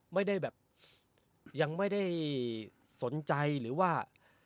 ไม่ได้แบบยังไม่ได้สนใจหรือว่า